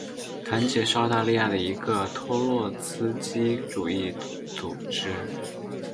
团结是澳大利亚的一个托洛茨基主义组织。